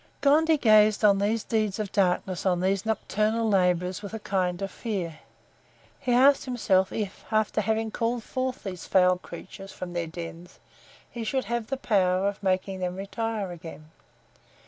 Gondy gazed on these deeds of darkness, on these nocturnal laborers, with a kind of fear; he asked himself, if, after having called forth these foul creatures from their dens, he should have the power of making them retire again.